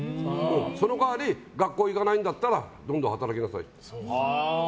その代わり学校に行かないんだったらどんどん働きなさいって。